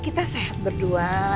kita sehat berdua